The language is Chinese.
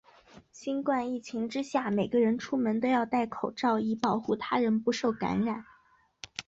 新冠疫情之下，每个人出门都要带口罩，以保护他人不受感染。